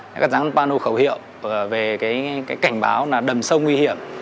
các dáng pano khẩu hiệu về cái cảnh báo là đầm sông nguy hiểm